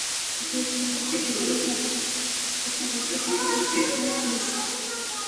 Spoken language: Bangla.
দুপুরের দিকে নিরাপদ হেফাজতে রাখার আদেশ চেয়ে শিশুটিকে আদালতে পাঠায় তেজগাঁও থানার পুলিশ।